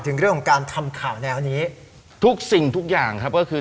ถึงเรื่องของการทำข่าวแนวนี้ทุกสิ่งทุกอย่างครับก็คือ